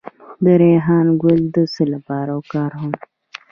د ریحان ګل د څه لپاره وکاروم؟